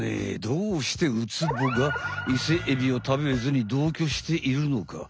どうしてウツボがイセエビを食べずに同居しているのか？